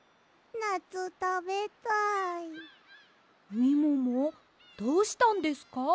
みももどうしたんですか？